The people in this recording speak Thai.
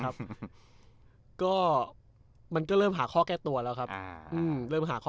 ครับก็มันก็เริ่มหาข้อแก้ตัวแล้วครับอ่าอืมเริ่มหาข้อ